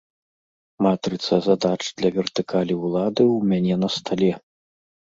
Матрыца задач для вертыкалі ўлады ў мяне на стале.